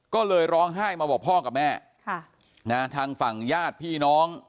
ก็เลยร้องไห้มาบอกพ่อกับแม่ทางฝั่งญาติพี่น้อง